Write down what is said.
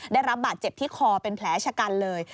ได้รับบาดเจ็บที่คอเป็นแผลชะกันเลย